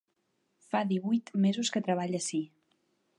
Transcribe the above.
Fa díhuit mesos que treballe ací.